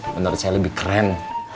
menurut saya lebih keren